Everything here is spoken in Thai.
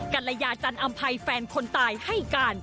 ภรรยาจันอำภัยแฟนคนตายให้การ